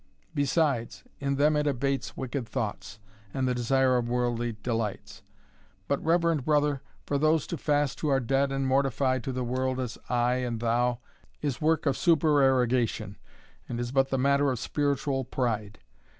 Besides, in them it abates wicked thoughts, and the desire of worldly delights. But, reverend brother, for those to fast who are dead and mortified to the world, as I and thou, is work of supererogation, and is but the matter of spiritual pride.